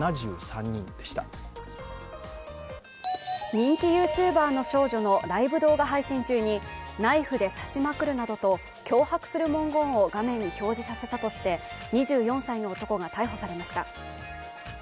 人気ＹｏｕＴｕｂｅｒの少女のライブ動画配信中にナイフで刺しまくるなどと脅迫する文言を画面に表示させたとして２４歳の男が逮捕されました。